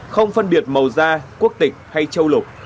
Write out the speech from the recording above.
không phân biệt màu da quốc tịch hay châu lục